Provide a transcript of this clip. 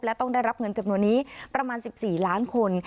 และต้องได้รับเงินจำนวนนี้ประมาณ๑๔ล้านคน